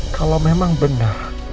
kalau memang benar